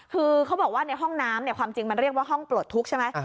คือเขาบอกว่าในห้องน้ำความจริงมันเรียกว่าห้องปลดทุกข์ใช่ไหม